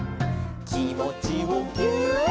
「きもちをぎゅーっ」